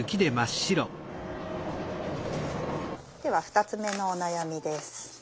では２つ目のお悩みです。